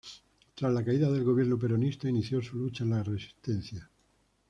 Tras la caída del gobierno peronista inició su lucha en la resistencia.